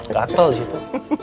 gatel sih itu